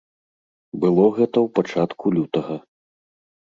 Было гэта ў пачатку лютага.